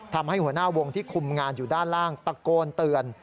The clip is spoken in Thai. ทำให้หัวหน้าวงที่คุมงานอยู่ด้านล่างตะโกนเตือน